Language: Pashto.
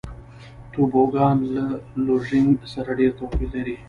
توبوګان له لوژینګ سره ډېر توپیر لري.